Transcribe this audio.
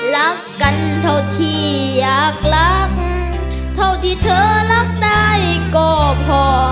รักกันเท่าที่อยากรักเท่าที่เธอรักได้ก็พอ